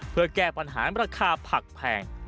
เพื่อแก้ปัญหาราคาผักแพง